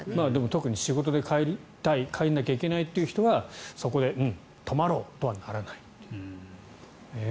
特に仕事で帰りたい帰らなきゃいけない人はそこで泊まろうとはならないという。